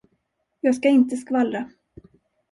Jag ska inte skvallra.